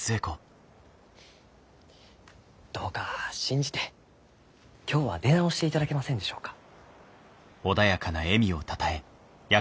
どうか信じて今日は出直していただけませんでしょうか？